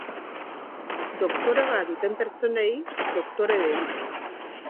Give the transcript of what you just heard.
Doktoregoa duten pertsonei doktore deritze.